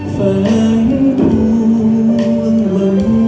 ฝ่างพวงมาห่วง